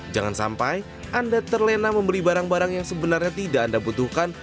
jangan sampai anda terlena membeli barang barang yang sebenarnya tidak anda butuhkan